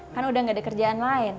kan udah gak ada kerjaan lain